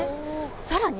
さらに？